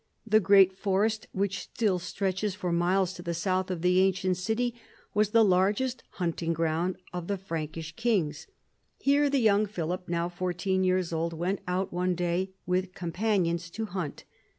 The great forest, which still stretches for miles to the south of the ancient city, was the largest hunting ground of the Frankish kings. Here the young Philip, now fourteen years old, went out one day with companions to hunt.